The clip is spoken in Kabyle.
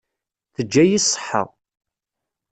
Teǧǧa-yi ṣṣeḥḥa.